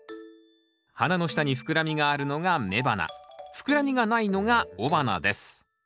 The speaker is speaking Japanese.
花の下に膨らみがあるのが雌花膨らみがないのが雄花です。